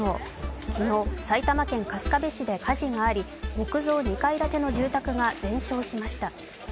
昨日、埼玉県春日部市で火事があり、木造２階建ての住宅が全焼しました。